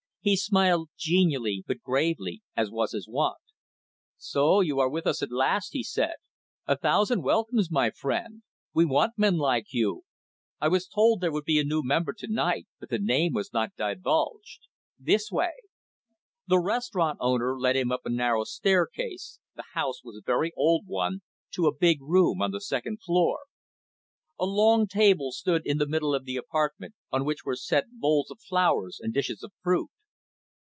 He smiled genially, but gravely, as was his wont. "So you are with us, at last," he said. "A thousand welcomes, my friend. We want men like you. I was told there would be a new member to night, but the name was not divulged. This way." The restaurant keeper led him up a narrow staircase the house was a very old one to a big room on the second floor. A long table stood in the middle of the apartment, on which were set bowls of flowers and dishes of fruit.